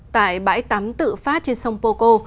tại bãi tắm tự phát trên sông poco